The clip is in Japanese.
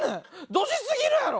ドジすぎるやろ！